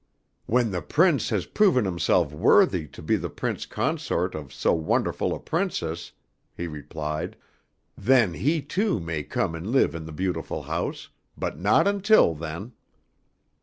"When the Prince has proven himself worthy to be the Prince Consort of so wonderful a Princess," he replied, "then he, too, may come and live in the beautiful house, but not until then."